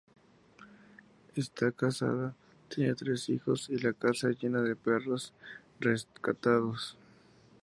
Está casada, tiene tres hijos y la casa llena de perros rescatados.